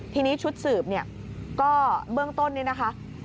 ทีนี้ชุดสืบเนี่ยก็เบื้องต้นนี่นะคะ